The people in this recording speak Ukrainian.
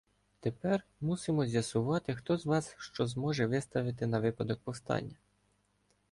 Тепер мусимо з'ясувати, хто з вас що зможе виставити на випадок повстання.